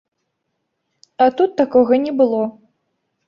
А тут такога не было.